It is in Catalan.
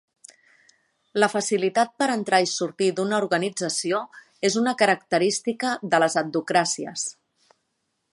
La facilitat per entrar i sortir d'una organització és una característica de les adhocràcies.